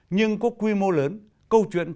nhưng có quy mô lớn